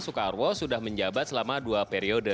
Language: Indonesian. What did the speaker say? soekarwo sudah menjabat selama dua periode